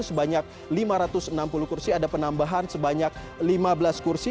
sebanyak lima ratus enam puluh kursi ada penambahan sebanyak lima belas kursi